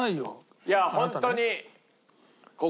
いやホントに。